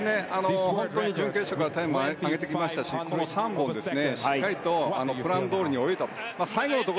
準決勝からタイムを上げてきましたしこの３本しっかりとプランどおりに泳いだと。